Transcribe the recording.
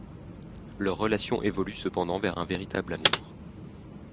Leur relation évolue cependant vers un véritable amour.